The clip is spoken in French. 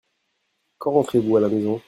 Quand rentrez-vous à la maison ?